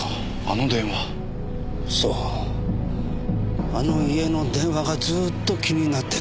あの家の電話がずーっと気になってた。